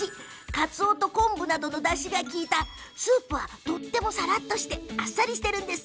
かつおと昆布などのだしが利いたスープはとてもさらっとしてあっさりしているんです。